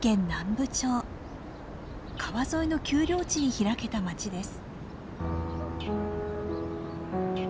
川沿いの丘陵地に開けた町です。